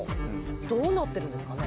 どうなってるんですかね。